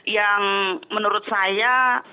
yang menurut saya